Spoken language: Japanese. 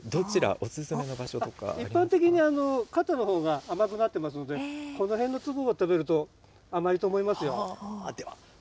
一般的に肩のほうが甘くなってますので、このへんの粒を食べると、甘いと思いますよ。